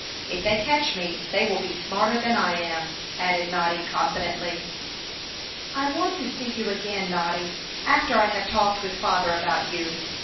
If they catch me they will be smarter than I am," added Noddy, confidently. "I want to see you again, Noddy, after I have talked with father about you.